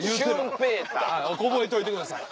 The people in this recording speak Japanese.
覚えといてください